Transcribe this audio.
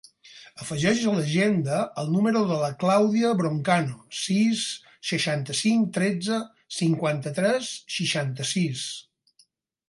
Afegeix a l'agenda el número de la Clàudia Broncano: sis, seixanta-cinc, tretze, cinquanta-tres, seixanta-sis.